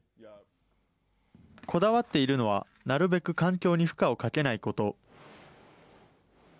こだわっているのはなるべく環境に負荷をかけないこと。